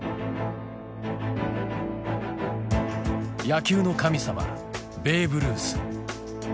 野球の神様ベーブ・ルース。